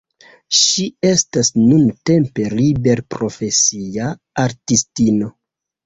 Ŝi estas nuntempe liberprofesia artistino.